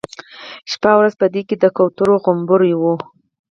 شپه او ورځ په کې د کوترو غومبر وي.